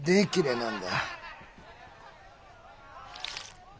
なんだ。